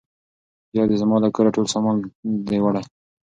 یا دي زما له کوره ټول سامان دی وړی